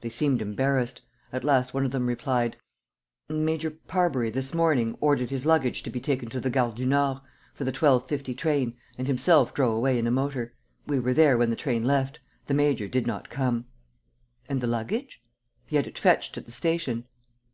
They seemed embarrassed. At last, one of them replied: "Major Parbury, this morning, ordered his luggage to be taken to the Gare du Nord, for the twelve fifty train, and himself drove away in a motor. We were there when the train left. The major did not come." "And the luggage?" "He had it fetched at the station."